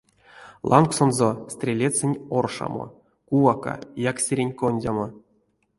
Лангсонзо стрелецэнь оршамо, кувака, якстерень кондямо.